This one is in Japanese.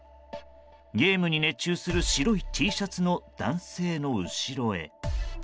ゲームに熱中する白いＴシャツの男性の後ろへ。